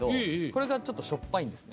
これがちょっとしょっぱいんです。